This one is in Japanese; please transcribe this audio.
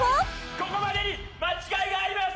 ここまでに間違いがあります